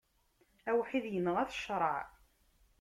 Awḥid, inɣa-t ccṛaɛ.